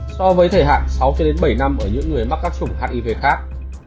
so với thời hạn sáu bảy năm ở những người mắc các chủng hiv khác